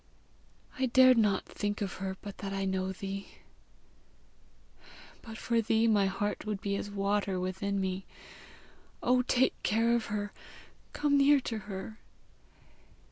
I dared not think of her, but that I know thee. But for thee, my heart would be as water within me! Oh, take care of her, come near to her!